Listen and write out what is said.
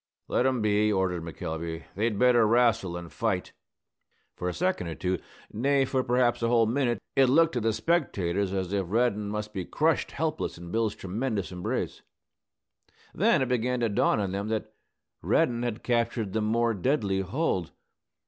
"Let 'em be," ordered McElvey. "They'd better wrastle than fight." For a second or two, nay, for perhaps a whole minute, it looked to the spectators as if Reddin must be crushed helpless in Bill's tremendous embrace. Then it began to dawn on them that Reddin had captured the more deadly hold.